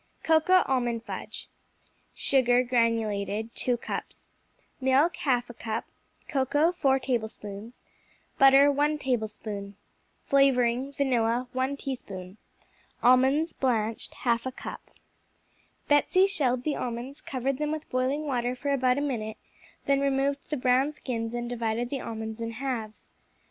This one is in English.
Cocoa Almond Fudge Sugar (granulated), 2 cups Milk, 1/2 cup Cocoa, 4 tablespoons Butter, 1 tablespoon Flavoring (vanilla), 1 teaspoon Almonds (blanched), 1/2 cup Betsey shelled the almonds, covered them with boiling water for about a minute, then removed the brown skins and divided the almonds in halves.